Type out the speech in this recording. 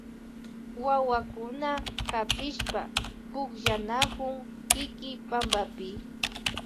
Wawakuna hapishpa pukllanakun kiki pampapi.